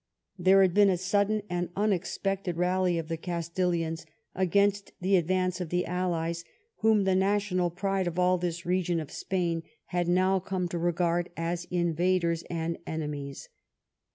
There had been a sudden and un expected rally of the Castilians against the advance of the allies, whom the national pride of all this region of Spain had now come to regard as invaders and enemies.